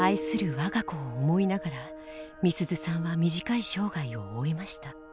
我が子を思いながらみすゞさんは短い生涯を終えました。